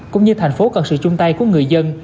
cũng như thành phố cần sự chung tay của người dân